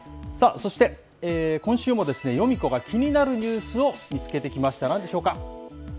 そして、今週もヨミ子が気になるニュースを見つけてきました。